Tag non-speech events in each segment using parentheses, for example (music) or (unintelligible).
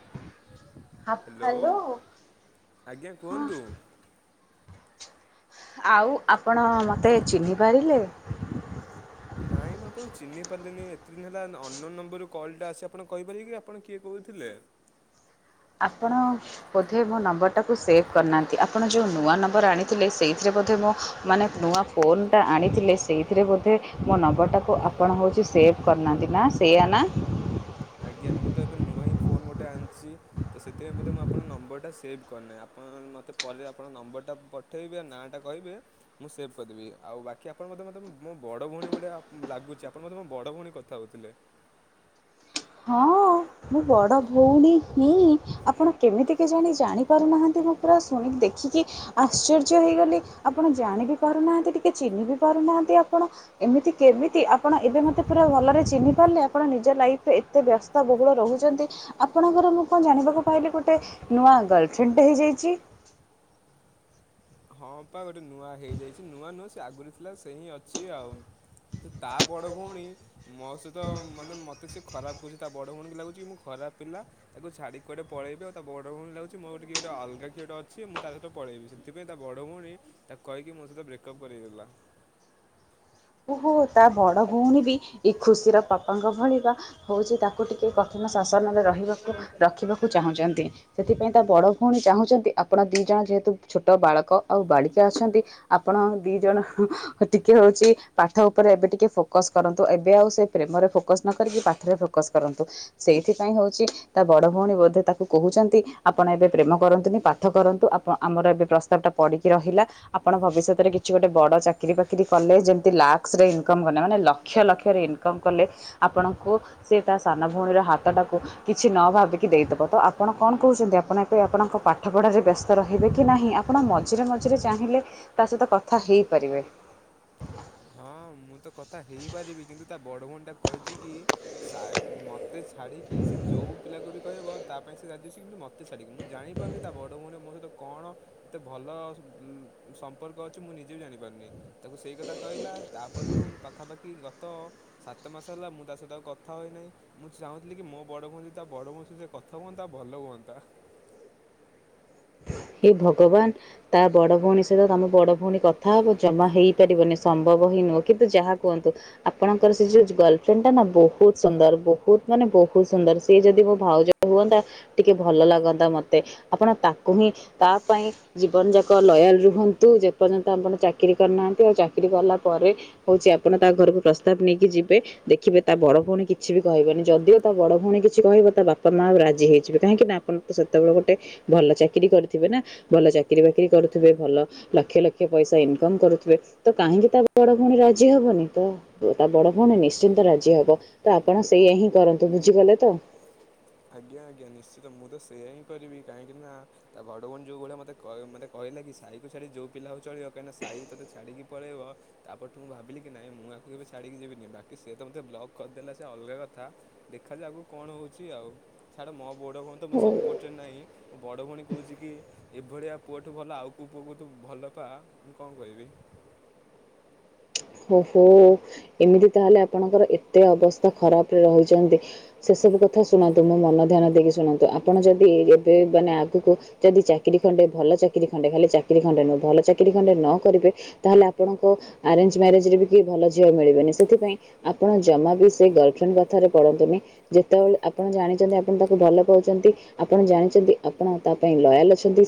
(inaudible) ହ ହ୍ୟାଲୋ ଆଜ୍ଞା ହଁ। କୁହନ୍ତୁ। ଆଉ ଆପଣ ମୋତେ ଚିହ୍ନି ପାରିଲେ? ନାଇଁ ମୁଁ ଆପଣଙ୍କୁ ଚିହ୍ନି ପାରିଲିନି ଏତେ ଦିନ ହେଲା ଅନନୋନ ନମ୍ବରରୁୁ କଲ୍ ଟା ଆସି ଆପଣ କହିପାରିବେ କି ଆପଣ କିଏ କହୁ ଥିଲେ। (inaudible) ଆପଣ ବୋଧେ ମୋ ନମ୍ବରଟାକୁ ସେଭ୍ କରିନାହାନ୍ତି ଆପଣ ଯୋଉ ନୂଆ ନମ୍ବର ଆଣିଥିଲେ ସେଇଥିରେ ବୋଧେ ମୋ ମାନେ ନୂଆ ଫୋନଟା ଆଣିଥିଲେ ସେଇଥିରେ ବୋଧେ ମୋ ନମ୍ବରଟାକୁ ଆପଣ ହେଉଛି ସେ ସେଭ୍ କରିନାହାନ୍ତି ନା ସେଇଆ ନା। ଆଜ୍ଞା ମୁଁ ତ ଏବେ ନୂଆ ହିଁ ଫୋନ ଗୋଟେ ଆଣିଛି ତ ସେଥିପାଇଁ ବୋଧେ ମୁଁ ଆପଣ ନମ୍ବର ଟା ସେଭ୍ କରିନାହିଁ ଆ ମତେ ପରେ ଆପଣଙ୍କ ନମ୍ବର ଟା ପଠେଇବେ ଆଉ ନାଁ ଟା କହିବେ ମୁଁ ସେଭ୍ କରିଦେବି ଆଉ ବାକି ଆପଣ ମେ ତମେ ତ ମୋ ବଡ ଭଉଣୀ ଭଳିଆ ଲାଗୁଛି ଆପଣ ବୋଧେ ମୋ ବଡ ଭଉଣୀ କଥା ହଉଥିଲେ। (inaudible) ହଁ ମୁଁ ବଡ଼ ଭଉଣୀ ହିଁ ଆପଣ କେମିତି କେଜାଣି ଜାଣିପାରୁନାହାନ୍ତି ମୁଁ ପୁରା ଶୁଣିକି ଦେଖି ଦେଖିକି ଆଶ୍ଚର୍ଯ୍ୟ ହେଇଗଲି ଆପଣ ଜାଣି ବି ପାରୁନାହାନ୍ତି ଟିକେ ଚିହ୍ନି ବି ପାରୁନାହାନ୍ତି ଆପଣ। ଏମିତି କେମିତି ଆପଣ ଏବେ ମୋତେ ପୁରା ଭଲରେ ଚିହ୍ନି ପାରିଲେ ଆପଣ ନିଜ ଲାଇଫ ରେ ଏତେ ବ୍ୟସ୍ତ ବହୁତ ରହୁଚନ୍ତି ଆପଣଙ୍କର ମୁଁ କଣ ଜାଣିବାକୁ ପାଇଲି ଗୋଟେ ନୂଆ ଗଲଫ୍ରେଣ୍ଡ ଟେ ହେଇଯାଇଛି। ହଁ ପା ଗୋଟେ ନୂଆ ହେଇଯାଇଛି ନୂଆ ନୁହଁ ସେ ଆଗୁରୁ ଥିଲା ସେ ହିଁ ଅଛି ଆଉ। ତ ତା ବଡ ଭଉଣୀ ମୋ ସହିତ (unintelligible) ମତେ ସେ ଖରାପ କହୁଛି ତା ବଡ ଭଉଣୀ କି ଲାଗୁଛି ମୁଁ ଖରାପ ତା ପିଲା ତାକୁ ଛାଡିକି କୁଆଡେ ପଳେଇବି ଆଉ ତା ବଡ ଭଉଣୀ କୁ ଲାଗୁଛି ମୋର କିଏ ଗୋଟେ ଅଲଗା କିଏ ଗୋଟେ ଅଛି ମୁଁ ତା ସହିତ ପଳେଇବି ସେଥିପାଇଁ ତା ବଡ଼ ଭଉଣୀ ତାକୁ କହିକି ମୋ ସହିତ ବ୍ରେକଅପ୍ କରେଇଦେଲା। ଓହୋ ତା ବଡ ଭଉଣୀ ବି ଏଇ ଖୁସିର ବାପାଙ୍କ ଭଳିଆ ହଉଛି ତାକୁ ଟିକେ କଥା ଶାସନରେ ରହିବାକୁ ରଖିବାକୁ ଚାହୁଁଛନ୍ତି ସେଥିପାଇଁ ତା ବଡ ଭଉଣୀ ଚାହୁଁଛନ୍ତି ଆପଣ ଦି ଜଣ ଯେହେତୁ ଛୋଟ ବାଳକ ଆଉ ବାଳିକା ଅଛନ୍ତି ଆପଣ ଦି ଜଣ ହଁ ଟିକେ ହଉଛି ପାଠ ଉପରେ ଏବେ ଟିକେ ଫୋକସ କରନ୍ତୁ ଏବେ ଆଉ ସେ ପ୍ରେମରେ ଫୋକସ ନ କରିକି ପାଠରେ ଫୋକସ କରନ୍ତୁ ସେ ଏଇଥିପାଇଁ ହଉଛି ତା ବଡ ଭଉଣୀ ବୋଧେ ତାକୁ କହୁଛନ୍ତି ଆପଣ ଏବେ ପ୍ରେମ କରନ୍ତୁନି ପାଠ କରନ୍ତୁ ଆପଣ ଆମର ଏବେ ପ୍ରସ୍ତାବ ଟା ପଡିକି ରହିଲା ଆପଣ ଭବିଷ୍ଯତରେ କିଛି ଗୋଟେ ବଡ ଚାକିରୀ ବାକିରି କଲେ ଯଦି ଲାକ୍ସ ରେ ଇନକମ୍ କଲେ ମାନେ ଲକ୍ଷ ଲକ୍ଷରେ ଇନକମ କଲେ ଆପଣଙ୍କୁ ସେ ତା ସାନ ଭଉଣୀର ହାତଟାକୁ କିଛି ନ ଭାବିକି ଦେଇଦବ ତ ଆପଣ କଣ କହୁଛନ୍ତି ଆପଣ ଏବେ ଆପଣଙ୍କ ପାଠପଢାରେ ବ୍ୟସ୍ତ ର ହେବେ କି ନାହିଁ ଆପଣ ମଝିରେ ମଝିରେ ଚାହିଁଲେ ତା ସହିତ କଥା ହେଇପାରିବେ। ହଁ ମୁଁ ତ କଥା ହେଇପାରିବି କିନ୍ତୁ ତା ବଡ ଭଉଣୀ ଟା କହିଛି କି ସା ମୋତେ ସେ ଛାଡିକି ସେ ଯୋଉ ପିଲାକୁ ବି କହିବ ତା ପାଇଁ ସେ ରାଜିଅଛି କିନ୍ତୁ ମତେ ଛାଡିକି ମୁଁ ଜାଣିପାରୁନି ତା ବଡ ଭଉଣୀ ମୋ ସହିତ କଣ ଏତେ ଭଲ ସମ୍ପର୍କ ଅଛି ମୁଁ ନିଜେ ବି ଜାଣିପାରୁନି ତାକୁ ସେଇ କଥା କହିଲା ତାପରେ ଠୁ ପାଖାପାଖି ଗତ ସାତ ମାସ ହେଲା ମୁଁ ତା ସହିତ ଆଉ କଥା ହୋଇନାହିଁ ମୁଁ ଚାହୁଁଥିଲି କି ମୋ ବଡ଼ କୁହନ୍ତି ତା ବଡ଼ ମାଉସୀ (unintelligible) କଥା କୁହନ୍ତା ଭଲ ହୁଅନ୍ତା। (inaudible) ହେ ଭଗବାନ ତା ବଡ ଭଉଣୀ ସହିତ ତମ ବଡ ଭଉଣୀ କଥା ହବ ଜମା ହେଇ ପାରିବନି ସମ୍ଭବ ନୁହ କିନ୍ତୁ ଯାହା କୁହନ୍ତୁ ଆପଣଙ୍କର ସେ ଯୋଉ ଗଲଫ୍ରେଣ୍ଡ ଟା ନା ବହୁତ ସୁନ୍ଦର ବହୁତ ମାନେ ବହୁତ ସୁନ୍ଦର ସିଏ ଯଦି ମୋ ଭାଉଜ ହୁଅନ୍ତା ଟିକେ ଭଲ ଲାଗନ୍ତା ମତେ ଆପଣ ତାକୁ ହିଁ ତା ପାଇଁ ଜୀବନ ଯାକ ଲୟାଲ ରୁହନ୍ତୁ ଯେପର୍ଯ୍ୟନ୍ତ ଆପଣ ଚାକିରୀ କରିନାହାନ୍ତି ଆଉ ଚାକିରି କଲା ପରେ ହଉଛି ଆପଣ ତା ଘରକୁ ପ୍ରସ୍ତାବ ନେଇକି ଯିବେ ଦେଖିବେ ତା ବଡ ଭଉଣୀ କିଛି ବି କହିବନି ଯଦିଓ ବଡ ଭଉଣୀ କିଛି କହିବ ତା ବାପା ମା ରାଜି ହେଇଯିବେ କାହିଁକି ନା ଆପଣ ତ ସେତେବେଳେ ଗୋଟେ ଭଲ ଚାକିରି କରିି ଥିବେ ନା ଭଲ ଚାକିରୀ ବାକିରି କରୁଥିବେ ଭଲ ଲକ୍ଷ ଲକ୍ଷ ପଇସା ଇନକମ କରୁଥିବେ ତ କାହିଁକି ତା ବଡ ଭଉଣୀ ରାଜି ହବନି ତ ତା ବଡ ଭଉଣୀ ନିଶ୍ଚିନ୍ତ ରାଜି ହବ ତ ଆପଣ ସେଇଆ ହିଁ କରନ୍ତୁ। ବୁଝିଗଲେ ତ। ଆଜ୍ଞା ଆଜ୍ଞା ନିଶ୍ଚିତ ମୁଁ ତ ସେୟା ହିଁ କରିବି କାହିଁକି ନା ତା ବଡ ଭଉଣୀ ଯୋଉ ଭଳିଆ ମତେ କ ମୋତେ କ କହିଲା କି ସାଇକୁ ଛାଡି ଯୋଉ ପିଲା ହଉ ଚଳିବ କାହିଁକିନା ସାଇ ତତେ ଛାଡିକି ପଳେଇବ ତା ପରଠୁ ମୁଁ ଭାବିଲି କି ନାଇ ମୁଁ ଆ ମୁଁ କେବେ ଛାଡ଼ିକି ଯିବିନି ବାକି ସେ ତ ମୋତେ ବ୍ଲକ କରିଦେଲା ସେ ଅଲଗା କଥା ଦେଖାଯାଉ ଆଗକୁ କଣ ହଉଛି ଆଉ। ଛାଡ ମୋ ବଡ ଭଉଣୀ ତ ମୁଁ ସପୋର୍ଟରେ ନାହିଁ ମୁଁ ବଡ଼ ଭଉଣୀ କହୁଛି କି ଏଭଳିଆ ପୁଅଠୁ ଭଲ ଆଉ କେଉଁ ପୁଅକୁ ତୁ ଭଲ ପା ମୁଁ କଣ କହିବି (inaudible) ଓହୋ ଏମିତି ତାହେଲେ ଆପଣଙ୍କର ଏତେ ଅବସ୍ଥା ଖରାପରେ ରହିଛନ୍ତି ସେ ସବୁ କଥା ଶୁଣନ୍ତୁ ମୁଁ ମନ ଧ୍ୟାନ ଦେଇକି ଶୁଣନ୍ତୁ ଆପଣ ଯଦି ଏବେ ମାନେ ଆଗକୁ ଯଦି ଚାକିରୀ ଖଣ୍ଡେ। ଭଲ ଚାକିରି ଖଣ୍ଡେ ଭଲ ଚାକିରି ଖଣ୍ଡେ ଭଲ ଚାକିରି ଖଣ୍ଡେ ନ କରିବେ ତାହେଲେ ଆପଣଙ୍କ ଆରେଞ୍ଜ ମ୍ୟାରେଜ ରେ ବି କେହି ଭଲ ଝିଅ ମିଳିବନି ସେଥିାଇଁ ଆପଣ ଜମା ବି ସେ ଗାର୍ଲଫ୍ରେଣ୍ଡ କଥାରେ ପଡନ୍ତୁନି ଯେତେବେଳେ ଆପଣ ଜାଣିଛନ୍ତି ଆପଣ ତାକୁ ଭଲ ପାଉଛନ୍ତି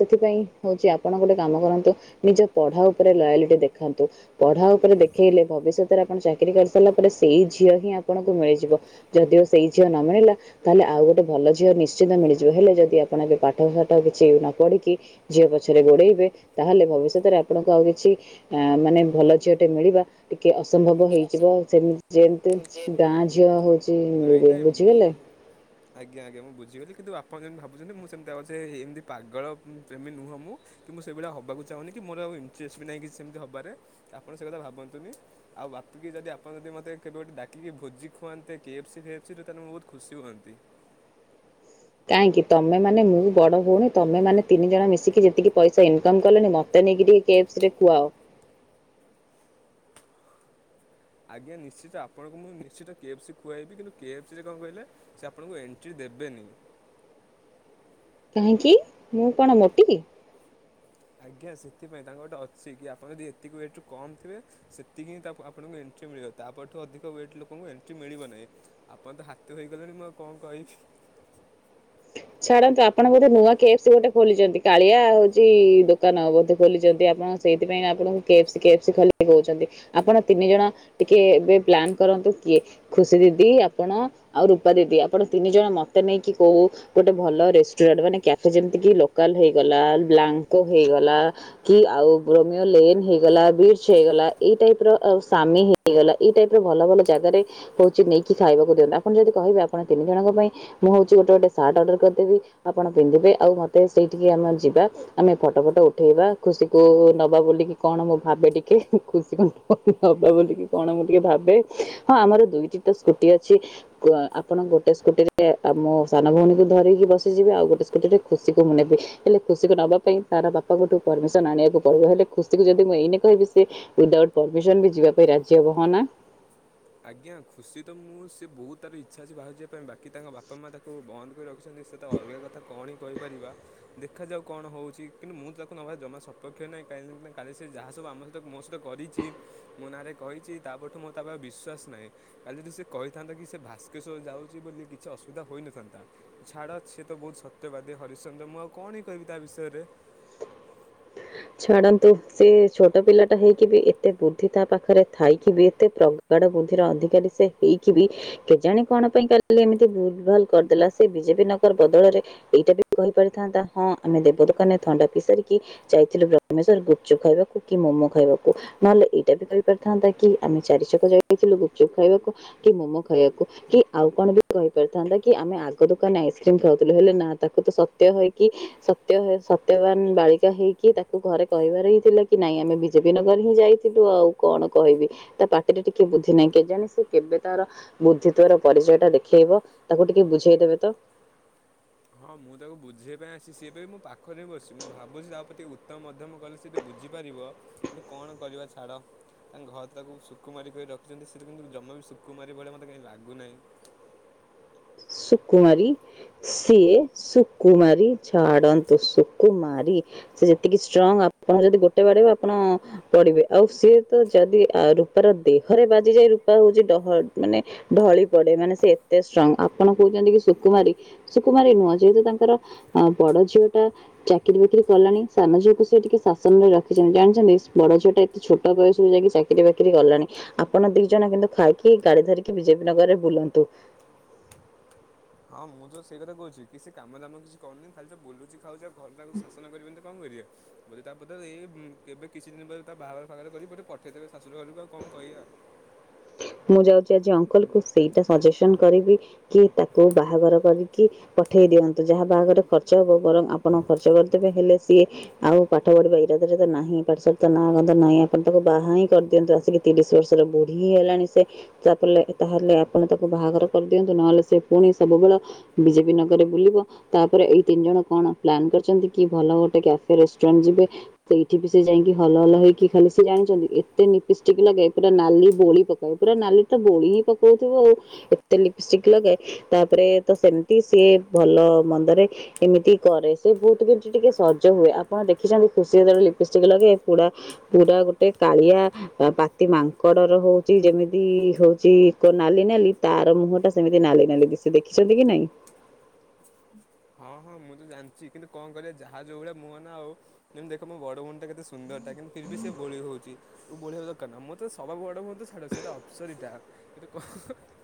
ସେଥିପାଇଁ ହଉଛି ଆପଣ ଗୋଟେ କାମ କରନ୍ତୁ ନିଜ ପଢା ଉପରେ ଲୟାଲିଟି ଦେଖାନ୍ତୁ ପଢା ଦେଖେଇଲେ ଭବିଷ୍ୟତରେ ଆପଣ ଚାକିରି କରିସାରିଲା ପରେ ସେଇ ଝିଅ ହିଁ ଆପଣଙ୍କୁ ମିଳିଯିବ ଯଦିଓ ସେଇ ଝିଅ ନ ମିଳିଲା ତାହେଲେ ଆଉ ଗୋଟେ ଭଲ ଝିଅ ନିଶ୍ଚିତ ମିଳିଯିବ ହେଲେ ଝିଅ ପଛରେ ଗୋଡେଇବେ ତାହେଲେ ଭବିଷ୍ୟତରେ ଆପଣଙ୍କୁ ଆଉ କିଛି ମାନେ ଭଲ ଝିଅଟେ ମିଳିବା କି ଅସମ୍ଭବ ଟିକେ ହେଇଯିବ ଅସମ୍ମାନ ସେମିତି ଯେମତି ଜେନ୍ ଗାଁ ଝିଅ ହଉଛି ନାଇଁ ନାଇଁ ବୁଝିଗଲେ ମୁଁ ଆଜ୍ଞା ଆଜ୍ଞ ମୁଁ ବୁଝିଗଲି କିନ୍ତୁ ଆ ଆପଣ ଯେମିତି ଭାବୁଛନ୍ତି ମୁଁ ସେମିତି ଆଉଛ ଏମିତି ପାଗ ଇଞ୍ଚେସ ବି ନାହିଁ କିଛି ସେମିତି ହବାରେ ଆପଣ ସେ କଥା ଭାବନ୍ତୁନି ଆଉ ବାପିକି ଯଦି ଆପଣ ଯଦିକେବେ ଭୋଜିଖୁଆନ୍ତେ କେଫସି ଖେଫଶି ତାହେଲେ ବହୁତ ଖୁସି ହୁଅନ୍ତ (inaudible) (inaudible) କାହିଁକି ତମେ ମାନେ ମୁଁ ବଡ ହଉଣୀ ତମେ ମାନେ ତିନି ଜଣ ମିଶିକି ଯେତିକି ପଇସା ଇନକମ୍ କଲେଣି ମତେ ନେଇକରି କେଷ୍ପ ରେ ଖୁଆଅ ଆଜ୍ଞା ନିଶ୍ଚିତ ଆପଣଙ୍କୁ ମୁଁ ନିଶ୍ଚିତ କେଏଫ ସ ଖୁଆଇବି କିନ୍ତୁ କେଫ ସରେ କଣ କହିଲେ ସେ ଆପଣଙ୍କୁ ଏଣ୍ଟ୍ରି ଦେ ଦେବେନି (inaudible) କାହିଁକି ମୁଁ କଣ ମୋଟି କି ଆଜ୍ଞା ସେଥିପାଇଁ ତାଙ୍କ ଗୋଟେ ଅଛି କି ଆପଣ ଯଦି ଏତିକି ୱେଟ କମ୍ ଥିବେ ସେତିକି ହିଁ ତା ଆପଣଙ୍କୁ ଏଣ୍ ମିଳିବ ତା ପରଠୁ ଅଧିକ ୱେଟ୍ ଲୋକଙ୍କୁ ଏଣ୍ଟ୍ରି ମିଳିବ ନାହିଁ ଆପଣ ତ ହାତୀ ହୋଇଗଲେଣି ମୁଁ ଆଉ କଣ କହିବି (inaudible) ଛାଡନ୍ତୁ ଆପଣ ବୋଧେ ନୂଆ କେସ ଗୋଟେ ଖୋଲିଛନ୍ତି କଳିଆ ହଉଛି ଦୋକାନ ବୋଧେ ଖୋଲିଛନ୍ତି ଆ ସେଇଥିପାଇଁ ଆପଣଙ୍କୁ କେସ୍ପ କେସ୍ପା କହୁଛନ୍ତି ଆପଣ ତିନି ଜଣ ଟିକେ ଏବେ ପ୍ଲାନ କରନ୍ତ କିଏ ଖୁସି ଦିଦି ଆପଣ ଆଉ ରୂପା ଦିଦି ଆପଣ ତିନି ଜଣ ମତେ ନେଇକି କହୁ ଗୋଟେ ଭଲ ରେଷ୍ଟୁରାଣ୍ଟ ମାନେ କ୍ୟାଫେ ଯେମିତି କି ଲୋକାଲ ହେଇଗଲା ବ୍ଲାଙ୍କୋ ହେଇଗଲା କି ଆଉ ବ୍ରୋମିଓ ଲେନ୍ ହେଇଗଲା ବ୍ରି ହେଇଗଲା ଏଇ ଟାଇପ ର ଆଉ ସାମି ହେଇଗଲା ଏଇ ଟାଇପ ର ଭଲ ଭଲ ଜାଗାରେ ହହୁଛି ନେଇକି ଖାଇବାକୁ ଦିଅନ୍ତୁ ଆପଣ ଯଦି କହିବେ ଆପଣ ତିନି ଜଣଙ୍କ ପାଇଁ ମୁଁ ସାର୍ଟ ଅର୍ଡର କରିଦେବି ଆପଣ ପିନ୍ଧିବେ ଆଉ ମତେ ସେଇଠିକି ଆମେ ଯିବା ଆମେ ଫଟୋ ଫଟୋ ଉଠେଇବା ଖୁ ଖୁସିକୁ ନବା ହଁ ଆମର ଦୁଇଟି ତ ସ୍ଟି ଅଛି ଆପଣ ଗୋଟେ ସ୍କୁଟିରେ ମୁ ସାନ ଭଉଣୀକୁ ଧରିକି ବସିଯିବେ ଆଉ ଗୋଟେ ସ୍କୁଟି ରେ ଖୁସିକୁ ମୁ ନେବି ହେଲେ ଖୁସିକୁ ନବା ପାଇଁ ତାର ବାପା ଗୋଟୁ ମ ଆଣିବାକୁ ପଡିବ ହେଲେ ଖୁସିକୁ ଯଦି ମୁଁ ଏଇନା କହିବି ସେ ବି ଯିବା ପାଇଁ ରାଜି ହନା (inaudible) ଆଜ୍ଞା ଖୁସି ତ ମୁଁ ସେ ବହୁତ ତାର ଇଚ୍ଛା ଅଛି ବାହରକୁ ଯିବା ପାଇଁ ବାକି ତାଙ୍କ ବାପା ମା ତାକୁ ବନ୍ଦ କରି ରଖ ସେ ତ ଅଲଗା କଥା କଣ ହ କହିପାରିବା ଦେଖାଯାଉ କଣ ହେଉଛି କିନ୍ତୁ ମୁଁ ତାକୁ ନେବାର ଜମା ସପକ୍ଷ ନାହିଁ କାଲି ସେ ଯାହା ସବୁ ଆମ ସହିତ ମୋ ସହିତ କରିଛି ମୋ ନାଁରେ କହିଛି ତାପରଠୁ ମୁଁ ତାକୁ ବିଶ୍ୱାସ ସ ନହିଁ କାଲି ଯଦି ସେ କହିଥାନ୍ତା କି ସେ ଭାସ୍କେଶ୍ୱର ଯାଉଛି ବୋଲି କିଛି ଅସୁବିଧା ହୋଇଇନଥାନ୍ତା ଛା ଅଡାତ୍ ସିଏ ତ ବହୁତ ସତ୍ୟବାଦୀ ହରିଶ୍ଚନ୍ଦ୍ର! ମୁଁ ଆଉ କଣ କହିବି ତା ବିଷୟରେ? (unintelligible) ଛାଡ଼ନ୍ତୁ! ସେ ଛୋଟ ପିଲା ଟା ହେଇକି ବି ଏତେ ବୁଦ୍ଧି ତା ପାଖରେ ଥାଇକି ବି ଏତେ ପ୍ରଗଟ ସେ ବୁଦ୍ଧିର ଅଧିକାରୀ ସେ ହେଇକି କେଜାଣି କଣ ପାଇଁ କାଲି ଏମିତି ବୁଲ ଭାଲ୍ କରିଦେଲା। ସେ ବିଜେପି ନଗର ବଦଳରେ ଏଇଟା ବି କହିପାରିଥାନ୍ତା! ହଁ, ଆମେ ଦେବ ଦୋକାନରେ ଥଣ୍ଡା ପିଇସାରିକି ଯାଇଥିଲୁ ବ୍ରହ୍ମେଶ୍ୱର ଗୁପଚୁପ୍ ଖାଇବାକୁ କି ମୋମୋ ଖାଇବାକୁ, ନହେଲେ ଏଇଟା ବି କହିପାରଥାନ୍ତା କି! ଆମେ ଚାରି ଯକ ଯାଇଥିଲୁ ଗୁପ୍ ଚୁପ୍ ଖାଇବାକୁ, କି ମୋମୋ ଖାଇବାକୁ କି ଆଉ କଣ ବି କହିପାରିଥାନ୍ତା କି! ଆମେ ଆଗଚ ଦୋକାନ ଆଇସ୍କ୍ରିମ ଖାଉଥିଲୁ। ହେଲେ ନା ତାକୁ ତ ସତ୍ୟ ହେଇକି ସତ୍ୟ କି ତାକୁ ଘରେ କହିବାର ହିଁ ଥିଲା କି ନାଇଁ ଆମେ ବିଜେପି ନଗର ହିଁ ଯାଇଥିଲୁ। ଆଉ କଣ କହିବି? ତା ପାଟିରେ ଟିକେ ବୁଦ୍ଧି ନାହିଁ। କେଜାଣି ସେ କେବେ ତାର ବୁଦ୍ଧିିତ୍ଵ ର ପରିଚୟଟା ଦେଖେଇବ। ତାକୁ ଟିକେ ବୁଝେଇଦେବେ। ତ, ହଁ, ମୁଁ ତାକୁ ବୁଝିବା ପାଇଁ ଆସିଛି। ସେ ପାଇଁ ମୋ ପାଖରେ ବସିଛି। ମୁଁ ଭାବୁଛି ତା ପ୍ରତି ଉତ୍ତମ ମଧ୍ୟମ କଲେ ସେଟି ବୁଝି ପାରିବ, କଣ କରିବା ଛାଡ! ତାଙ୍କ ଘର ତାକୁ ସୁକୁମାରି କରି ରଖିଛନ୍ତି। ସେତ କିନ୍ତୁ ଜମା ବି ଶୁକୁମାରି ଭଳି ମତେ କାହିଁ ଲାଗୁନାହିଁ। ସୁକୁମାରୀ! ସିଏ ସୁକୁମାରି ଛାଡନ୍ତୁ ସୁକୁମାରି, ସେ ଯେତିକି ଷ୍ଟ୍ରଙ୍ଗ। ଆପଣ ଯଦି ଗୋଟେ ବାଡିବ, ଆପଣ ପଡିବେ। ଆଉ ସିଏ ତ ଯଦି ଅ ରୂପାର ଦେହରେ ବାଜି ଯାଇ ରୂପା ହଉଛି ଡହ ମାନେ ଢଳି ପଡେ ମାନେ ସେ ଏତେ ଷ୍ଟ୍ରଙ୍ଗ୍। ଆ ଆପଣ କହୁଛନ୍ତି, କି ସୁକୁମାରୀ ସୁକୁମାରୀ ନୁହଁ। ଯେହେତୁ ତାଙ୍କର ବଡ ଝିଅ ଟା ଚାକିରୀ ବାକି କଲାଣି ସାନ ଝିଅକୁ ସେ ଟିକେ ଶାସନରେ ରଖିଛନ୍ତି। ଜାଣିଛନ୍ତି, ବଡ ଝିଅଟା ଏତେ ଛୋଟ ବୟସରୁ ଯାଇକି ଚାକିରି ବାକିରି କିରି ଗଲାଣି। ଆପଣ ଦି ଜଣ କିନ୍ତୁ, ଖାଇକି ଗାଡି ଧରିକି ବିଜେପି ନଗରରେ ବୁଲନ୍ତୁ। ହଁ, ମୁଁ ତ ସେଇ କଥା କହୁଛି। କି ସେ କାମ ଦାମ କିଛି କରୁନି। ଖାଲି ତ ବୁଲୁଚି। ଖାଉଛ। ଘର ତାକୁ ଶାସନ କରିବେନି ତ କଣ କରିଆ ବଧେ! ତାପଦେ ଏ କେବେ କିଛି ଦିନ ପରେ ତା ବାହାଘର ଫାଗଘର କରିକି ବଧେ ପଠେଇଦେବେ ଶାଶୁର ଘରକୁ ଆଉ କଣ କହିବା। (inaudible) ମୁଁ ଯାଉଛି। ଆଜି ଅଙ୍କଲ କୁ ସେଇଟା ସଜେସନ କରିବି। କି ତାକୁ ବାହାଘର କରିକି ପଠେଇ ଠେଇ ଦିଅନ୍ତୁ ଯାହା ବାହାଘରେ ଖର୍ଚ୍ଚ ହବ, ବରଂ ଆପଣ ଖର୍ଚ୍ଚ କରିଦେବେ। ହେଲେ ସିଏ ଆଉ ପାଠ ପଢିବା ଇରାଦରେ ନାହିଁ। ପାଠ ସାଠ ତ ନାଁ ଗନ୍ଧ ନାହିଁ ତାକୁ ବାହା ହିଁ କରିଦିଅନ୍ତୁ। ଆସିକି ତିରିଶ ବର୍ଷର ବୁ ଢି। ହେଲାଣି ସେ ତାପଲେ, ତାହେଲେ ଆପଣ ତାକୁ ବାହାଘର କରିଦିଅନ୍ତୁ। ନହେଲେ ସେ ପୁଣି ସେବୁବେଳ ବିଜେପି ନଗରରେ ବୁଲିବ। ତାପରେ ଏଇ ତିନି ଜଣ କଣ ପ୍ଲାନ୍ କରିଛନ୍ତି? କି ଭଲ ଗୋଟେ କ୍ୟାଫେ ରେଷ୍ଟୁରାଣ୍ଟ ଜ ବେ ସେଇଠି ବି ସେ ଯାଇକି ହଲ ହଲ ହେଇକି ଖାଲି ସେ ଜାଣିଛନ୍ତି, ଏତେ ନିପିଷ୍ଟିକ୍ ନଗେ। ପୁରା ନାଲି ବୋଳି ପକଉ ପୁରା ନାଲି ତ ବୋଳି ହିଁ ପକଉଥିବ। ଆଉ ଏତେ ଲିପଷ୍ଟିକ ଲଗେ, ତାପରେ ତ ସେ ସିଏ ଭଲ ମନ୍ଦରେ ଏମିତି କରେ, ସେ ବହୁତ (unintelligible) ଟିକେ ସଜ ହୁଏ। ଆପଣ ଦେଖିଛନ୍ତି। ଖୁସି ଯେତେବେଳେ ଲିପିଷ୍ଟିକ ଲଗେ। ପୁଡା ପୁରା ଗୋଟେ କାଳିଆ ଆ ପାତି ମାଙ୍କଡ ର ହଉଛି ଯେମିତି-ଇ ହଉଛି କ ନାଲି ନାଲି, ତାର ମୁହଁ ଟା ସେମିତି ନାଲି ନାଲି ଦିସେ ଦେଖିଛନ୍ତି। କି ନାଇଁ? ହଁ ହଁ ମୁଁ ତ ଜାଣିଛି। କିନ୍ତୁ କଣ କରିବା ଯାହା ଯୋଉ ଭଳିଆ ମୁହଁ ନା ଆଉ ଯେମିତି ଦେଖ, ମୋ ବଡ ଭଉଣୀ ଟା କେତେ ସୁନ୍ଦର! ତା କିନ୍ତୁ ଫିର୍ ବି ସେ ବୋଳି ହଉଛି। ବୋଳିହବା ଦରକାର ନା, ମୋ ତ ସବା ବଡ଼ ଭଉଣୀ ତ ଛାଡ଼! ସେ ଅପସରିଟା। ଏତ କ ହ ହ ହ ହ।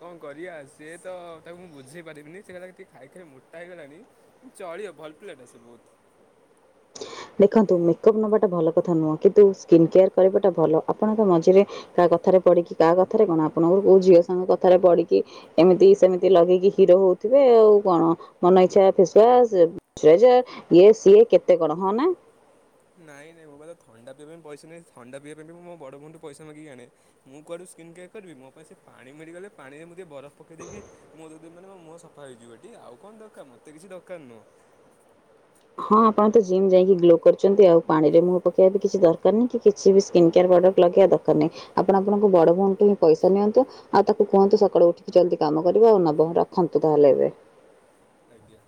କଣ କରିବା ସେ ତ ତାକୁ ମୁଁ ବୁଝେଇ ପାରିବିନି ସେ କଇଲା କି ଟିକେ। ଖାଇ ଖାଇ ମୋଟା ହେଇଗଲାଣି ଚଳିବ ଭଲ ପିଲାଟା ସେ ବହୁତ। ଦେଖନ୍ତୁ ମେକଅପ୍ ନବାଟା ଭଲ କଥା ନୁହଁ କିନ୍ତୁ ସ୍କିନ କେୟାର କରିବାଟା ଭଲ ଆପଣଙ୍କ ମଝିରେ କାହା କ କଥାରେ ପଡିକି କାହା କଥାରେ କଣ ଆପଣଙ୍କର କୋଉ ଝିଅ ସାଙ୍ଗ କଥାରେ ପଡିକି ଏମିତି ସେମିତି ଲଗେଇକି ହିରୋ ହଉ ଥିବେ ଆଉ କଣ ମନ ଇଚ୍ଛା ଫେଶୱାସ ଟ୍ରେଜର ଇଏ ସିଏ କେତେ କଣ ହଁ ନା? ନାଇଁ ନାଇଁ ମୋ ପାଖରେ ଥଣ୍ଡା ପିଇବା ପାଇଁ ପଇସା ନାହିଁ ଥଣ୍ଡା ପିଇବା ପାଇଁ ବି ମୁ ମୋ ବଡ଼ ଭଉଣି ଠୁ ପଇସା ମାଗିକି ଆଣେ ମୁଁ କୁଆଡୁ ସ କିନ୍ କେଆର କରିବି ମୋ ପାଇଁ ସେ ପାଣି ମିଳିଗଲେ ପାଣିରେ ମୁ ଟିଏ ବରଫ ପକାଇ ଦେଇକି ମୁହଁ ଧୋଇ ଦେବି ମାନେ ମୋ ମୁହଁ ସଫା ହେଇଯିବ ଟି ଆଉ କଣ ଦରକାର ମତେ କିଛି ଦରକାର ନୁହଁ। ହଁ, ଆପଣ ତ ଜିମ୍ ଯାଇକି ଗ୍ଲୋ କରୁଛନ୍ତି। ଆଉ ପାଣିରେ ମୁହଁ ପକେଇବା କିଛି ଦରକାର ନାହିଁ। କିଛି ବି ସ୍କିନ୍ କେୟାର ପ୍ରଡ଼କ୍ଟ ଲଗେଇବା ଦରକାର ନାହିଁ। ଆପଣ ଆପଣଙ୍କ ବଡ ଭଉଣୀ ଠୁ ହିଁ ପଇସା ନିଅନ୍ତୁ। ଆଉ ତାକୁ କୁହନ୍ତୁ ସକାଳୁ ଉଠିକି ଜଲ୍ଦି କାମ କାମ କରିବା ଆଉ ନବମ ରଖନ୍ତୁ। ତାଙ୍କ (unintelligible) ଆଜ୍ଞା।